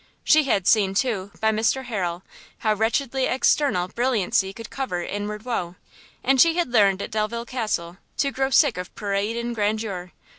She had seen, too, by Mr Harrel, how wretchedly external brilliancy could cover inward woe, and she had learned at Delvile Castle to grow sick of parade and grandeur.